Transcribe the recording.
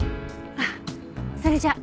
あっそれじゃあ。